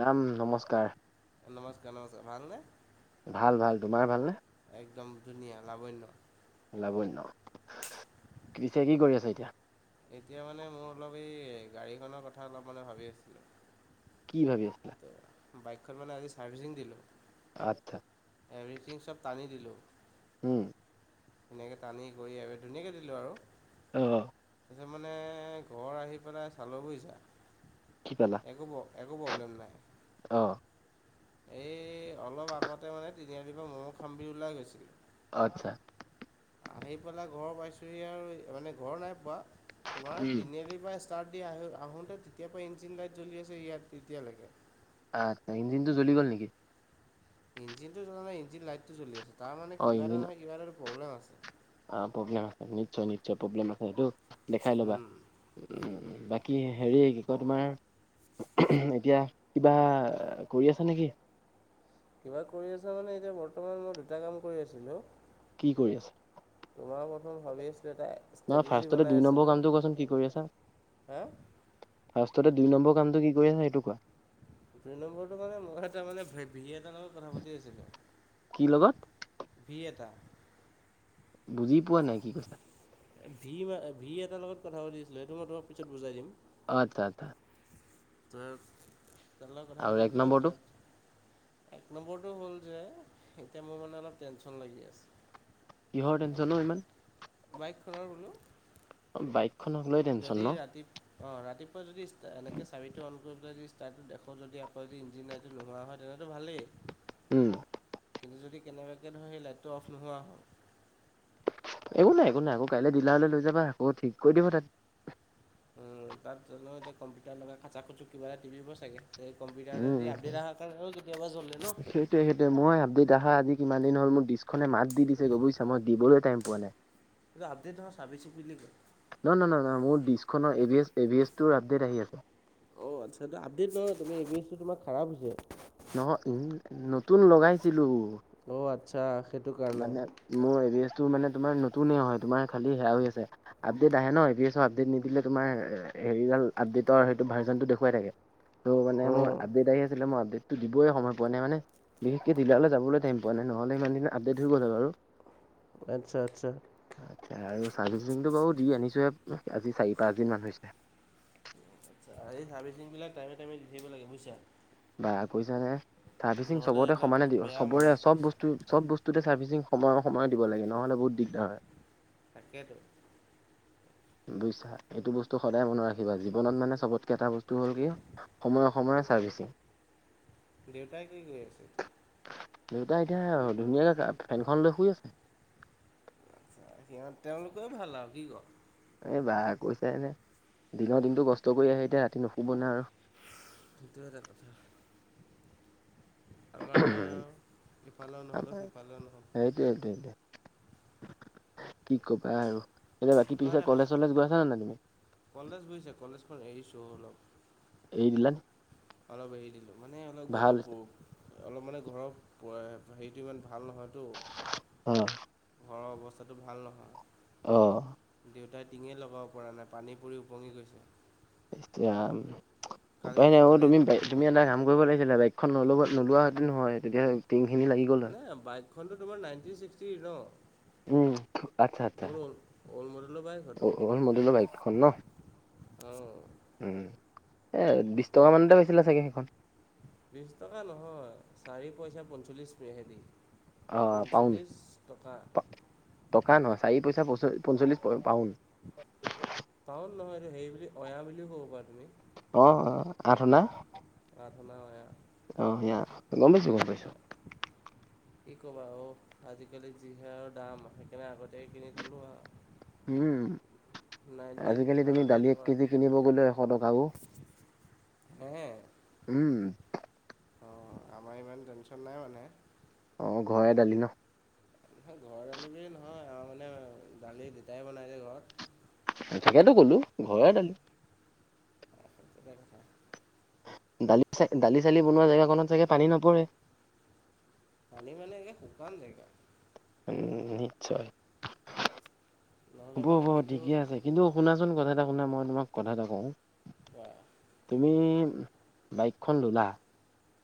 ৰাম নমস্কাৰ। এ নমস্কাৰ- নমস্কাৰ ভাল নে? ভাল -ভাল তোমাৰ ভালনে? একদম ধুনীয়া লাৱণ্য। লাবন্য পিছে কি কৰি আছা এতিয়া? এতিয়া মানে মোৰ অলপ এই গাড়ীখনৰ কথা অলপ মানে ভাবি আছিলোঁ। কি ভাবি আছিলা? [unintelligible] বাইকখন মানে আজি চাৰ্ভিচিং দিলোঁ। আতথা এভৰিথিং চব টানি দিলোঁ। উম ধুনীয়াকে টানি গৈ আৰু ধুনীয়াকে দিলোঁ আৰু। অ। তাছত মানে ঘৰ আহি পেলাই চালো বুইছা। কি পালা? একো একো প্ৰব্লেম নাই। অ। এই অলপ আগতে মানে তিনিআলিৰ পৰা ম'ম খাম বুলি ওলাই গৈছিলোঁ। অত্চ্ছা। আহি পেলাই ঘৰ পাইছোঁহি আৰু মানে ঘৰ নাই পোৱা তোমাৰ উম তিনিআলিৰ পৰা ষ্টাৰ্ট দি আহ আহোঁতে তেতিয়াৰ পৰা ইঞ্জিন লাইট জ্বলি আছে ইয়াত এতিয়ালৈকে। আত, ইঞ্জিনটো জলি গ'ল নেকি? ইঞ্জিনটো জ্বলা নাই ইঞ্জিন লাইটটো জলি আছে, তাৰ মানে কিবা এটা ইঞ্জিন নহয় কিবা এটা টো প্ৰব্লেম আছে। অ প্ৰব্লেম আছে নিশ্চয় নিশ্চয় প্ৰব্লেম আছে সেইটো দেখাই ল'বা। উম উ বাকী হেৰি কি কয় তোমাৰ এতিয়া কিবা কৰি আছা নেকি? কিবা কৰি আছা মানে এতিয়া বৰ্তমান মই দুটা কাম কৰি আছিলোঁ। কি কৰি আছে? তোমাৰ প্ৰথম ভাবি আছোঁ এ তাই নহয় ফাৰ্ষ্টতে দুই নম্বৰ কামটো কোৱা চোন কি কৰি আছা? হা ফাৰ্ষ্টততে দুই নম্বৰ কামটো কি কৰি আছা সেইটো কোৱা? দুই নম্বৰটো মানে মই এটা মানে ভে ভিনি এটা লগত কথা পাতি আছিলো। কি লগত? ভি এটা। বুজি পোৱা নাই কি কৈছা? ভি মা ভি এটাৰ লগত কথা পাতিছিলোঁ সেইটো মই তোমাক পিছত বুজাই দিম। অহ আতথা আতথা। [unintelligible] তহতৰ লগত কথা আৰু পাতি এক আছিলো নম্বৰটো তহঁত এক নম্বৰটো হ'ল যে এতিয়া মোৰ মানে অলপ টেনশ্যন লাগি আছে। কিহৰ টেনশ্যন ও ইমান? বাইকখনৰ বোলো। অ বাইক। যদি ৰাতি অ ৰাতিপুৱা যদি ষ্টা এনেকে চাবিটো অন কৰিবলৈ যদি ষ্টাৰ্টটো দেখো যদি আকৌ যদি ইঞ্জিন নাইট যদি নোহোৱা হয় তেতিয়াটো ভালেই। উম। কিন্তু যদি কেনেবাকৈ ধৰ সেই লাইটো নোহোৱা হ'ল। একো নাই, একো নাই আকৌ কাইলৈ ডিলাৰলৈ লৈ যাব আকৌ ঠিক কৰি দিবা তাত। উম। তাত জানো এতিয়া কম্পিউটাৰ লগাই খাচাক খুচুক কিবা এটা টিপিব চাগে। এই কম্পিউটাৰ উম, যদি আপডেট অহাৰ কাৰণেটো কেতিয়াবা জলে ন। সেইটোৱেই সেইটোৱেই, মই আপডেট আহা আজি কিমান দিন হ'ল, মোৰ ডিচখনে মাত দিছে গৈ বুজিছা, মই দিবলৈ টাইম পোৱা নাই। এইটো আপডেট নহয় চাৰ্ভিচিং বুলি কয়? নহয় নহয় মোৰ ডিচখনৰ এ বি এছ টো আপডেট আহি আছে। অ আত্চ্ছা দা আপডেট নহয় তোমাৰ এ বি এছটো তোমাৰ খাৰাব হৈছে। নহয় ও নতুন লগাইছিলো। অ আত্চ্ছা সেইটো কাৰণে। মানে মোৰ এবিষ্টটো মানে তোমাৰ নতুনে হয়। তোমাৰ খালি সেয়াও হৈ আছে। আপডেট আহে ন এবিষ্টৰ আপডেট নিদিলে তোমাৰ হেৰি আপডেটৰ সেইটো ভাৰ্জনটো দেখুৱাই থাকে। ত মানে মোৰ অঁ আপডেট আহি আছিলে, মই আপডেটত টো দিবই সময় পোৱা নাই। মানে বিশেষকে দিলাৰলে যাবলৈ টাইম পোৱা নাই, নহ'লে ইমান দিনা আপডেট হৈ গ'ল বাৰু। আচ্ছা-আচ্ছা। আচ্ছা আৰু চাৰ্ভিছিং টো বাও দি আনিছো'হে আজি চাৰি-পাঁচ দিন মান হৈছে। এই চাৰ্ভিচিং বিলাক টাইমে-টাইমে দি থাকিব লাগে বুইছা। বা কৈছানে। চাৰ্ভিচিং নহ'লে চবতে এইবিলাক সমানে দিওঁ বেয়া মানে চবৰে চ'ব বস্তু- চ'ব বস্তুতে চাৰ্ভিচিং সময়ৰ সময় দিব লাগে নহ'লে বহুত দিগদাৰ হয়। তাকেটো। বুইছা এইটো বস্তু সদায় মনত ৰাখিবা জীৱনত মানে চবতকে এটা বস্তু হ'ল কি সময়- সময়ৰ চাৰ্ভিছিং। দেউতাই কি' কৰি আছে? দেউতাই এতিয়া ধুনীয়াকে ফেনখন লৈ শুই আছে। আচ্ছা সিহঁত তেওঁলোকে ভাল আৰু কি' ক? এই বা' কৈছানে। দিনৰ দিনটো কষ্ট কৰি আহে এতিয়া ৰাতি নুশুব না আৰু। সেইটোৱে টো কথা। আমাৰ সে এওঁ ইফালেও নহ'লো, সিফালেও নহ'ল। দে', দে ', দে', কি' কবা আৰু। এতিয়া বাকী মই পিছে এটা কলেজ- কলেজ গৈছা নাই তুমি? কলেজ গৈছা। কলেজখন এৰিছো অ অলপ। এৰি দিলা? অলপ এৰি দিলোঁ মানে অলপ ভাল গৰৱ পোক। অলপ মানে ঘৰৰ হেৰিটো ইমান ভাল নহয়তো। অ ঘৰৰ অৱস্থাটো ভাল নহয়। অ। দেউতাই টিঙে লগাব পৰা নাই পানী পৰি ওপঙি গৈছে‌। ইচ্ ৰাম উপায় কালিতো নাই অ কালি তুমি পাই তুমি এটা কাম কৰিব লাগিছিলে বাইকখন নল'ব নোলোৱাহেতেনো হয় তেতিয়া টিংখিনি লাগি গল হয়। মানে বাইকখনতো তোমাৰ নাইনটিন-ছিক্সটি ন। উম আচ্ছা আচ্ছা বহুত অল, অল মডেলৰ বাইক হয় তো অল মডেলৰ বাইকখন ন অ। উম এই বিছ টকামানতে বেছিলে চাগে সেইখন। বিছ টকা নহয় চাৰি পইচা-পঞ্চল্লিছ মেহেদি। অ পাউণ্ড পঞ্চল্লিছ টকা। টকা নহয় চাৰি পইচা-পঞ্চল্লিছ পাওন। পাওন নহয় দেই সেৰি বুলি অয়া বুলিও ক'ব পাৰা তুমি। অ অ আঠনা আধনা অয়া অ সেয়া গমপাইছো গম পাইছো। [inaudible] কি ক'বা অ আজিকালি যিহে আৰু দাম সেইকাৰণে আগতে কিনি থলোঁ আও উম নাইনটিন আজিকালি তুমি কিমানতে দালি এক তোমাৰ কেজি কিনিব গ'লে এশ টকাও হে উম অ আমাৰ ইমান টেনশ্যন নাই মানে অ ঘৰে দালি ন। ঘৰৰ দালি‌ বুলি নহয় আৰু মানে দালি দেউতাই বনাই যে ঘৰত। তাকেতো ক'লো ঘৰয়ে দালি একেটাই কথা দালি চ দালি চালি বনোৱা জেগাখনত চাগে পানী নপৰে? পানী মানে একে শুকান জেগা উম নিশ্চয় নহ'লে হ'ব -হ'ব মানে সেইটো ঠিকে আছে কিন্তু শুনাচোন কথা এটা শুনা মই তোমাক কথা এটা কওঁ বা তুমি বাইকখন ল'লা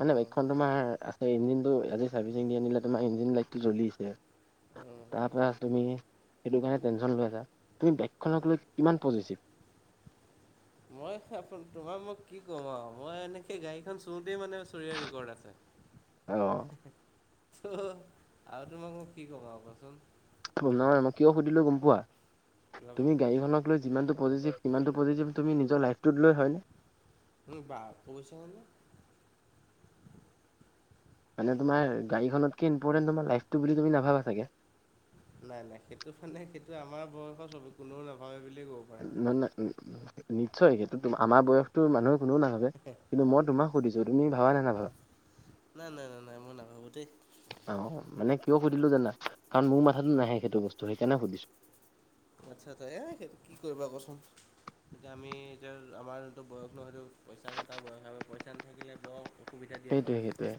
মানে অঁ বাইকখন তোমাৰ আ অ, ইঞ্জিনটো আজি চাৰ্ভিচিং দি আনিলা তোমাৰ ইঞ্জিন লাইটটো জ্বলিছে। অ', তাৰপৰা তুমি সেইটো কাৰণে টেনচন লৈ আছা তুমি অঁ বাইকখনক লৈ কিমান পজিচিভ? [inaudible] মই তোমাক মোক কি ক'ম আৰু মই এনেকে গাড়ীখান চোতেই মানে চৰিয়া ৰেকৰ্ড আছে। [inaudible] [unintelligible] ত'আৰু তোমাক মই কি কবা কোৱাচোন? ত' নহয় মই কিয় সুধিলো গম পোৱা ৰ'বা তুমি গাড়ীখনক লৈ যিমানটো পজিজিভ সিমানটো পজিজিভ তুমি নিজৰ লাইফটোত লৈ হয়নে? উম, বা পইছা হলে মানে তোমাৰ গাড়ীখনতকে ইম্পৰ্টেন্ট তোমাৰ লাইফটো বুলি তুমি নাভাবা চাগে? নাই -নাই সেইটো ফালে সেইটো আমাৰ বয়সৰ চবে কোনেও নাভাবে বুলিয়ে ক'ব। পাৰা। নহ নই নি -নিশ্চয় সেইটো আমাৰ বয়সতো মানুহে কোনও নাভাবে কিন্তু মই তোমাক সুধিছোঁ তুমি ভাবা নে নাভাবা? নাই -নাই -নাই -নাই মই নাভাবো দে। অ, মানে কিয় সুধিলো জানা কাৰণ মোৰ মাথাতোত নাহে সেইটো বস্তু সেইকাৰণে সুধিছোঁ। আচ্ছা- আচ্ছা এ সেইটো কি কৰিবা কোৱাচোন? এতিয়া আমি এতিয়া আমাৰতো বয়স নহলেও পইচা ঘটা বয়স আৰু পইচা নাথাকিলে বয়স সেইটোৱে -সেইটোৱে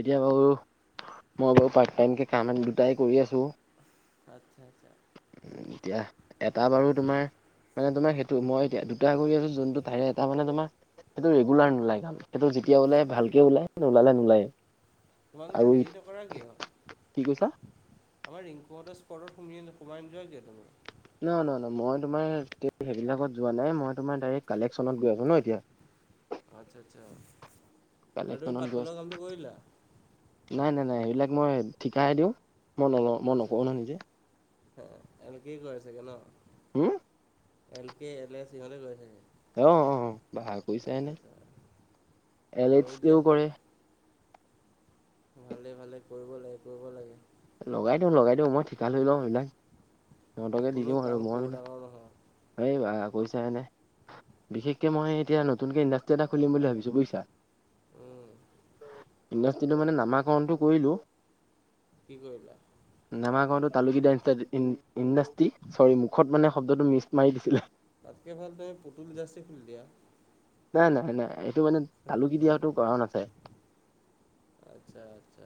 এতিয়া বাৰু মই বাৰু পাৰ্ট টাইমকে কামেন দুটাই কৰি আছোঁ আচ্ছা -আচ্ছা উম, এতিয়া এটা বাৰু তোমাৰ মানে তোমাৰ সেইটো মই এতিয়া ট্ৰাই কৰি আছো যোনটো তাৰে এটা মানে তোমাৰ সেইটো ৰেগুলাৰ নোলাই কাম সেইটো যেতিয়া বোলে ভাল কে ওলাই নোলালে নোলাই। তোমালোকে হেৰি নকৰা কিয়? কি কৈছা? আমাৰ ৰিংকুহতৰ স্পৰ্টত সুমি সোমাই নোযোৱা কিয় [unintelligible] নহ -ন-ন মই তোমাৰ সেইবিলাকত যোৱা নাই মই তোমাৰ ডাইৰেক্ট কালেকচনত গৈ আছো ন'এতিয়া। আচ্ছা -আচ্ছা আৰু তুমি কালেকচনত গৈ আছ পাতপলৰ কামটো কৰিলা নাই- নাই -নাই এইবিলাক মই ঠিকাহে দিওঁ। মই নলওঁ, মই নকৰোঁ নহয় নিজে। হে এনেকেই কৰে চাগে ন? উম? এল কে এল এফ ইহলে গৈ থাকে। অ', অ', অ', বাহ কৈছাই নে এল এক্স হয়ো কিয় দিয়া কৰে? ভালে-ভালে কৰিব লাগে -কৰিব লাগে। লগাই দিওঁ -লগাই দিওঁ মই ঠিকা লৈ লওঁ এইবিলাক সিহঁতকে দি দিওঁ আৰু মই হয় -হয়। এই বা পয়ছা এনে নাই বিশেষকে মই এতিয়া নতুনকে ইণ্ডাষ্ট্ৰি এটা খুলিম বুলি ভাবিছোঁ বুইছা? উম, ইণ্ডাষ্ট্ৰ্ৰীটো মানে নামাকৰণটো কৰিলোঁ কি কৰিলা? নামা কৰণটো তালুকিদাছডা ইন- ইণ্ডাষ্ট্ৰী চৰি মুখত মানে শব্দটো মিচ মাৰি দিছিলে। তাতকে ভাল তই পুতুলি দাসে খুলি দিয়া। নাই নহয়-নহয় এইটো মানে তালুকি দিয়াটো কৰণ আছে আচ্ছা আচ্ছা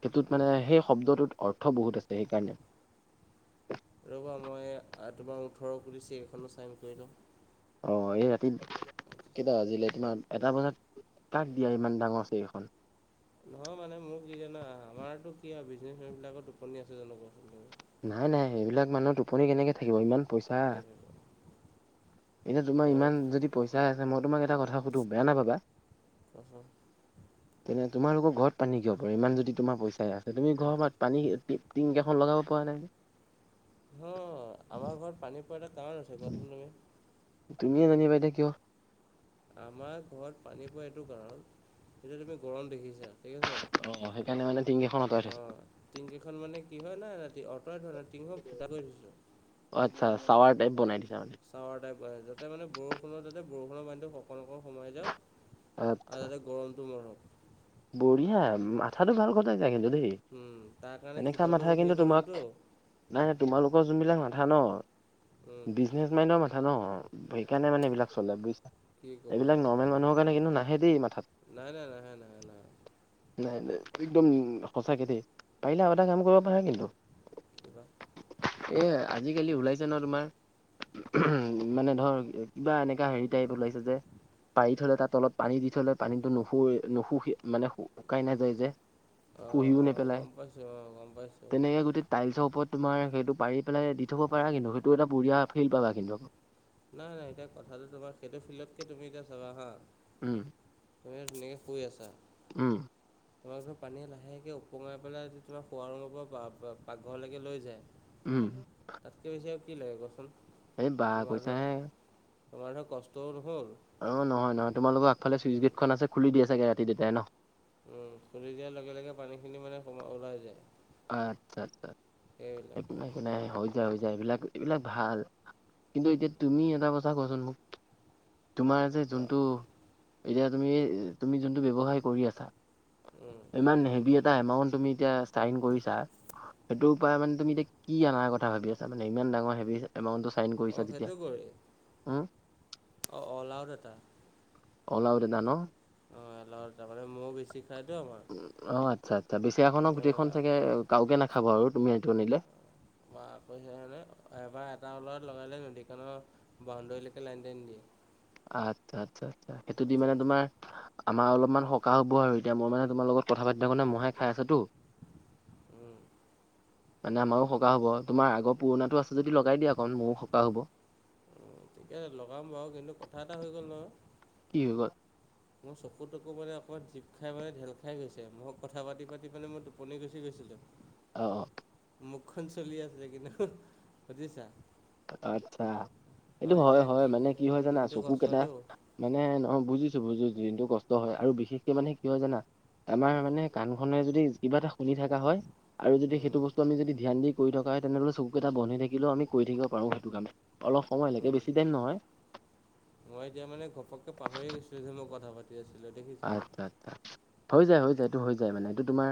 সেইটোত মানে সেই শব্দটোত অৰ্থ বহুত আছে সেইকাৰণে। ৰ'বা মই তোমাৰ আ ওঠৰ পুলিচ এইখনো ছাইন কৰি লওঁ। অ, এই ৰাতি আচ্ছা কেইটা আচ্ছা। বাজিলে কিমান এটা বজাত তাক দিয়া ইমান ডাঙৰ আছে এইখন নহয় মানে মোক কি জানা? আমাৰতো কি আৰু বিজনেচমেন বিলাকৰ টোপনি আছে জানো কচোন? নাই নাই সেইবিলাক মানুহ টোপনি কেনেকে থাকিব ইমান পইচা, সেইটোতো এনে তোমাৰ ইমান যদি পইচাই আছে, মই তোমাক এটা কথা সুধো? বেয়া নাপাবা। [inaudible] তেনে তোমালোকৰ ঘৰত পানী কিব পাৰে? ইমান যদি তোমাৰ পইচাই আছে, তুমি ঘৰপত পানী টিং কেখন লগাব পোৱা নাই নে? অ আমাৰ ঘৰত পানী পোৱা এটা কাৰণ আছে কোৱাচোন তুমি? তুমিয়ে জানা বা এতিয়া কিয়? আমাৰ ঘৰত পানী পোৱা এইটো কাৰণ, এতিয়া তুমি গৰম দেখিছা। ঠিক আছে? অ সেইকাৰণে মানে তিঙকেইখন আঁতৱা থৈছ- টিংকখন মানে কি হয়, ন অঁটৱাই থোৱা নাই টিংখন মানে ফুটা কৰি থৈছোঁ। অ, আচ্ছা চাৱাৰ টাইপ বনাই দিছা মানে। চাৱাৰ টাইপ যাতে মানে বৰষুণৰ যাতে বৰষুণ পানীটো, অকণক সোমাই যাওক। আচ্ছা আৰু যাতে গৰমটো মৰহক বঢ়িয়া, মাথাটো ভাল ঘৰত খতাইচা কিন্তু দেই। উম তাৰ কাৰণে এনেকা শীতলো মাথা শুই কিন্তু থাকিব তোমাক ৰুমটো। নাই নাই, তোমালোকৰ যোনবিলাক মাথা ন, উম। বিজ- নেছ মাইনডৰ মথা ন। সেইকাৰণে মানে এইবাক চলে বুইছ- কি ক'বা এইবিলাক আৰু নৰ্মেল মানুহৰ কাৰণে কিন্তু, নাহে দেই মাথাত। নাই নাই নাহে নাহে নাহে। নাই নাই, একদম সঁচাকে দেই। পাৰিলে আৰু এটা কাম কৰিব পাৰা কিন্তু। কি বা? এ আজিকালি ওলাইছে ন তোমাৰ? উহুম মানে ধৰ কিবা এনেক- কা হেৰি টাইপ ওলাইছে যে পাৰি থলে তাৰ তলত পানী দি থৈলে পানীটো নুশুৱে নুুশু- মানে শু শুকাই নাযায় যে। অ শুহিও অ নেপেলাই গম পাইছো অ গম পাইছো অ। তেনেকে গোটেই টাইলছৰ ওপৰত তোমাৰ সেইটো পাৰি পেলাই দি থব পাৰা কিন্তু, সেইটো এটা বঢ়িয়া ফিপ পাবা কিন্তু নাই নাই। এতিয়া কথাটো তোমাৰ সেইটো ফিল্ডতকে তুমি এতিয়া চাবা হা। উম হে তেনেকে শুই আছা। উম। তোমাক ধৰ পানীয়ে লাহেকৈ ওপঙাই পেলাই যদি তোমাৰ শুৱা ৰুমৰ পৰা পাকঘৰলৈকে লৈ যায়। উম। তাতকৈ বেছি আৰু কি লাগে কচোন এই বা তোমাৰ ধৰ কৈছাহে তোমাৰ ধৰ কষ্টও নহ'ল। অ নহয় নহয় তোমোলোকৰ আগফালে চুইছ উম, গেটখন আছে খুলি দিয়ে চাগে ৰাতি দেতাই ন? উম খুলি দিয়াৰ লগে লগে পানীখিনি মানে সো ওলাই যায়। আচ্ছা আচ্ছা, একো সেইবিলাকে নাই আৰু একো নাই হৈ যায় হৈ যায় এইবিলাক এইবিলাক ভাল কিন্তু এতিয়া তুমি এটা কথা কোৱাচোন মোক? তোমাৰ যে কোৱা যোনটো এতিয়া তুমি তুমি যোনটো ব্যৱসায় কৰি আছা। উম। ইমান হেভি এটা এমাউণ্ট তুমি এতিয়া চাইন কৰিছা, সেইটোৰ পৰা মানে তুমি এতিয়া কি অনাৰ কথা ভাবি আছা মানে ইমান ডাঙৰ হেভি চা- এমাউন্টটো চাইন অ' কৰিছা যেতিয়া? সেইটো কৰি হুম! অ' অল আউট এটা অলাওদানা ন। অ এলাও তামানে মহ বেছি খাই ত আমাৰ অ আচ্ছা আচ্ছা, বেচি আখনক সেইকাৰণে গোটেইখন এটা চাগে কাওকে নাখাব আৰু তুমি এইটো আনিলে। বা কৈছে এহেতে এবাৰ এটা ওলৰত লগালে নদীখনৰ বাউণ্ডৰীলৈকে লাইন টাইন দিয়ে। আচ্ছা আচ্ছা আচ্ছা, সেইটো দি মানে তোমাৰ আমাৰ অলপমান সকাহ হ'ব আৰু এতিয়া মই মানে তোমাৰ লগত কথা পাতি থাকোঁতে মহে খাই আছে আছোতো? উম। মানে আমাৰো সকাহ হ'ব, তোমাৰ আগ পুৰণাটো আছে যদি লগাই দিয়া অকণ মোৰো সকাহ হ'ব। অ ঠিকে লগাম বাওঁ কিন্তু কথা এটা হৈ গ'ল নহয়? কি হৈ গল? মোৰ চকু - তকু মানে অকণমান জীপ খাই মানে ঢেল খাই গৈছে, মই কথা পাতি - পাতি মানে মই টোপনি গুচি গৈছিলোঁ। অ অ মুখখন চলি আছিলে কিন্তু সুধিছা। আচ্ছা, এইটো হয় হয় মানে কি হয় জানা দিনটো চকু কেইটা কষ্টটো মানে নহয় বুজিছো বুজিছো দিনটো কষ্ট হয় আৰু বিশেষকে মানে কি হয় জানা? আমাৰ মানে কাণখনে যদি কিবা এটা শুনি থকা হয় আৰু যদি সেইটো বস্তু আমি যদি ধ্যান দি কৰি থকা হয় তেনেহলে চকুকেইটা বন হৈ থাকিলেও আমি কৰি থাকিব পাৰোঁ সেইটো কাম, অলপ সময়লেকে বেছি টাইম নহয়। মই এতিয়া মানে ঘপককে পাহৰি গৈছিলো যে মই কথা পাতি আছিলো দেখিছা। আচ্ছা আচ্ছা হৈ যায় হৈ যায় এইটো হৈ যায় মানে এইটো তোমাৰ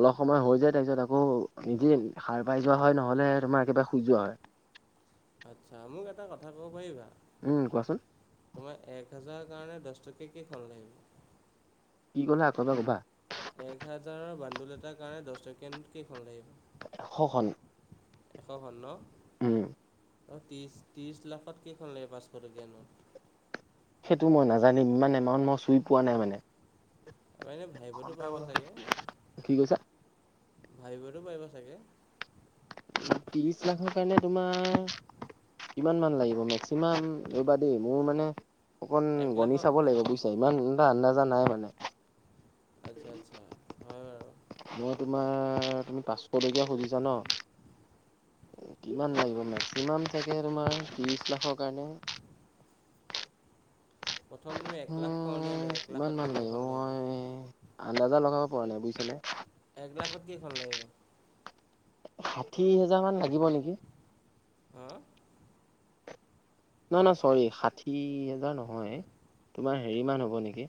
অলপ সময় হৈ যায় তাৰপিছত আকৌ নিজে সাৰ পাই যোৱা হয় নহলে তোমাৰ একেবাৰে শুই যোৱা হয়। আচ্ছা, মোক এটা কথা ক'ব পাৰিবা? উম কোৱাচোন? তোমাৰ এক হেজাৰৰ কাৰণে দছ টকীয়া কেইখন লাগিব? কি ক'লা আকৌ এবাৰ ক'বা? এক হাজাৰৰ বান্দোল এটাৰ কাৰণে দছ টকীয়া নোট কেইখন লাগিব? শখন। এশখন ন। উম। অ ত্ৰিশ - ত্ৰিশ লাখত কেইখন লাগে পাঁচশ টকীয়া নোট? সেইটো মই নাজানিম ইমান এমাউণ্ট মই চুই পোৱা নাই মানে ত এনে ভাবিবতো পাৰিব চাগে কি কৈছা? ভাবিবটো পাৰিব চাগে? ত্ৰিশ লাখৰ কাৰণে তোমাৰ কিমান মান লাগিব মেক্সিমাম ৰবা দেই মোৰ মানে অকণ এক গণি লাখত চাব এক লাগিব বুজিছা? ইমানটা আন্দাজা নাই মানে। আচ্ছা আচ্ছা হয় বাৰু। মই তোমাৰ তুমি পাঁচশ টকীয়া খুজিছা ন, কিমান লাগিব উম মেস্ক ইমান থাকে তোমাৰ ত্ৰিছ লাখৰ কাৰণে। প্ৰথম তুমি এক লাখখন উলিয়াই উম, লোৱা, এক কিমান লাখত মান কিমানখন মই লাগিব? আন্দাজা লগাব পৰা নাই বুজিছিলে? এক লাখত কেই খন লাগিব? ষাঠি হেজাৰ মান লাগিব নেকি? হা নহয় নহয় চৰি ষাঠি হোজাৰ নহয় তোমাৰ হেৰিমান হ'ব নেকি